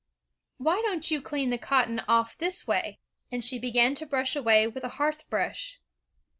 "Why don't you clean the cotton off this way?" and she began to brush away with a hearth brush.